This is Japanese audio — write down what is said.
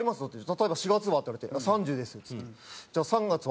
「例えば４月は？」って言われて「３０です」っつって。「じゃあ３月は？」